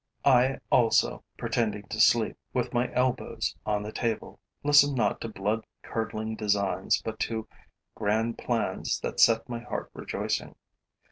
I also, pretending to sleep, with my elbows on the table, listen not to blood curdling designs, but to grand plans that set my heart rejoicing.